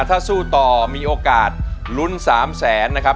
ถ้าสู้ต่อมีโอกาสลุ้น๓แสนนะครับ